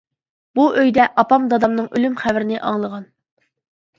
بۇ ئۆيدە، ئاپام دادامنىڭ ئۆلۈم خەۋىرىنى ئاڭلىغان.